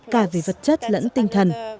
cải thiện cải thiện